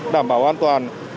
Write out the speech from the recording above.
đảm bảo an toàn